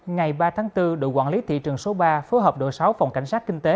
ngày ba tháng bốn đội quản lý thị trường số ba phối hợp đội sáu phòng cảnh sát kinh tế